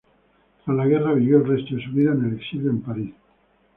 Tras la guerra vivió el resto de su vida en el exilio en París.